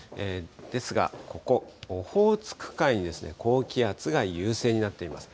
ですが、ここ、オホーツク海に高気圧が優勢になっています。